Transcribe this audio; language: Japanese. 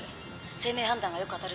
姓名判断がよく当たるって。